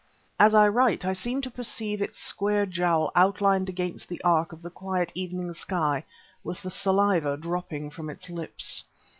As I write, I seem to perceive its square jowl outlined against the arc of the quiet evening sky with the saliva dropping from its lips.